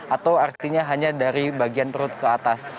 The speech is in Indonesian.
atau artinya hanya dari bagian perut ke atas